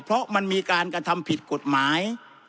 เพราะมันมีการกระทำผิดกฎหมาย